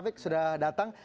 terima kasih sudah datang